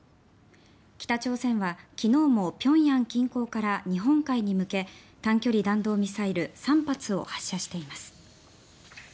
北朝鮮は昨日も平壌近郊から日本海に向け短距離弾道ミサイル３発を発射しています。